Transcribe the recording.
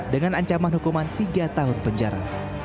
dengan ancaman hukuman tiga tahun penjara